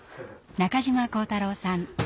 中嶋晃太郎さん